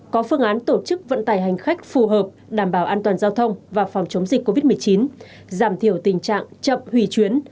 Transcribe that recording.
có phương án tổ chức vận tải hành khách phù hợp đảm bảo an toàn giao thông và phòng chống dịch covid một mươi chín giảm thiểu tình trạng chậm hủy chuyến